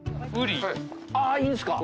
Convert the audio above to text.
あっいいんですか？